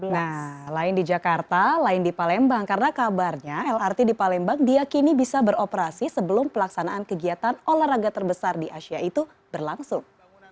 nah lain di jakarta lain di palembang karena kabarnya lrt di palembang diakini bisa beroperasi sebelum pelaksanaan kegiatan olahraga terbesar di asia itu berlangsung